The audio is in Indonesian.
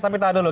tapi tahan dulu